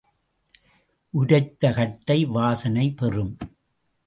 உரைத்த கட்டை வாசனை பெறும்.